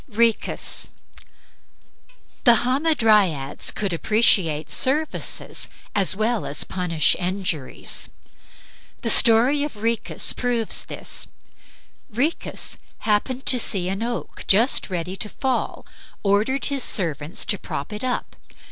RHOECUS The Hamadryads could appreciate services as well as punish injuries. The story of Rhoecus proves this. Rhoecus, happening to see an oak just ready to fall, ordered his servants to prop it up.